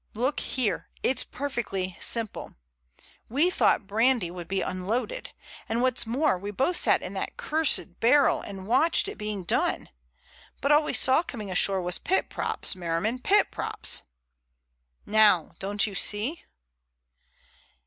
Look here, it's perfectly simple. We thought brandy would be unloaded! And what's more, we both sat in that cursed barrel and watched it being done! But all we saw coming ashore was pit props, Merriman, pit props! Now don't you see?"